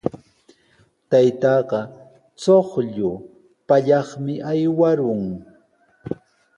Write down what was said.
Taytaaqa chuqllu pallaqmi aywarqun.